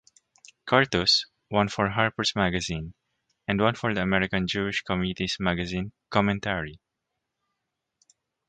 Cartus", one for "Harper's Magazine" and one for the American Jewish Committee's magazine "Commentary".